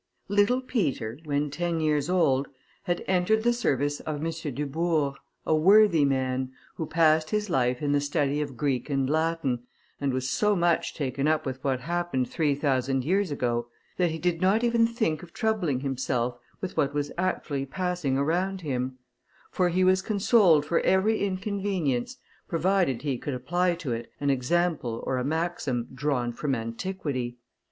Little Peter, when ten years old, had entered the service of M. Dubourg, a worthy man, who passed his life in the study of Greek and Latin, and was so much taken up with what happened three thousand years ago, that he did not even think of troubling himself with what was actually passing around him; for he was consoled for every inconvenience, provided he could apply to it an example or a maxim drawn from antiquity.